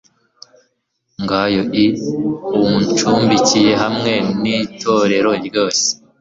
gayo i uncumbikiye hamwe n itorero ryose